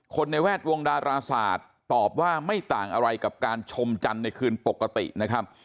ในแวดวงดาราศาสตร์ตอบว่าไม่ต่างอะไรกับการชมจันทร์ในคืนปกตินะครับ